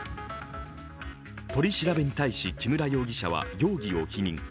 取り調べに対し木村容疑者は容疑を否認。